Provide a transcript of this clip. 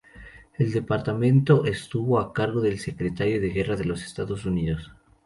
El departamento estuvo a cargo del Secretario de Guerra de los Estados Unidos.